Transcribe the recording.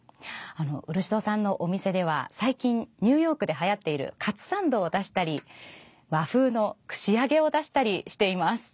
漆戸さんのお店では最近ニューヨークではやっているカツサンドを出したり和風の串揚げを出したりしています。